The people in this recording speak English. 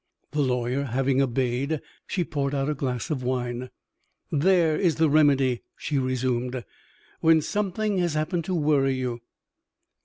The lawyer having obeyed, she poured out a glass of wine. "There is the remedy," she resumed, "when something has happened to worry you."